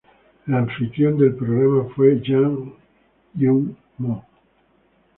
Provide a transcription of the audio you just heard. El anfitrión del programa fue Jun Hyun Moo.